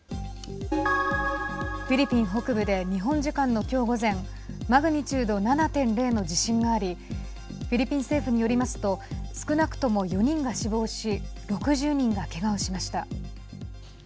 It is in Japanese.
フィリピン北部で日本時間のきょう午前マグニチュード７．０の地震がありフィリピン政府によりますと少なくとも４人が死亡し６０人が、けがをしました。